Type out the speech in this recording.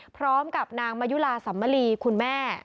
พร้อมกับนางมายุลาสัมมลีคุณแม่